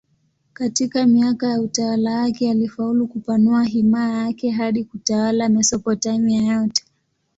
Katika miaka ya utawala wake alifaulu kupanua himaya yake hadi kutawala Mesopotamia yote.